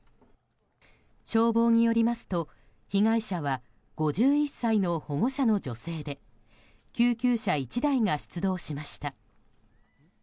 消防によりますと被害者は５１歳の保護者の女性で救急車１台が出動しました。